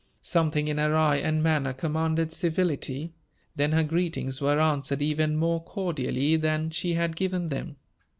Something in her eye and manner commanded civility then her greetings were answered even more cordially than she had given them.